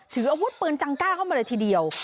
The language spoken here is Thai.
ถืออาวุธปืนจังกล้าเข้ามาเลยทีเดียว